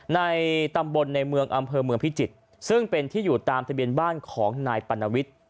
ในตำบลอำเภอเมืองพิจิติเป็นที่อยู่ตามทะเบียนบ้านของนายปานวิฑ